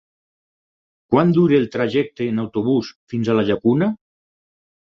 Quant dura el trajecte en autobús fins a la Llacuna?